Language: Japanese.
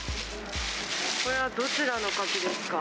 これはどちらのカキですか？